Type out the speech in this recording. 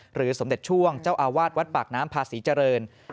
สมเด็จช่วงเจ้าอาวาสวัดปากน้ำพาศรีเจริญ